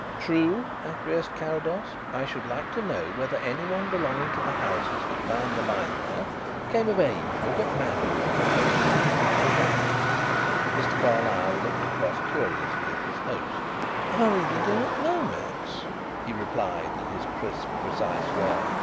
"True," acquiesced Carrados. "I should like to know whether anyone belonging to the houses that bound the line there came of age or got married on the twenty sixth of November." Mr. Carlyle looked across curiously at his host. "I really do not know, Max," he replied, in his crisp, precise way.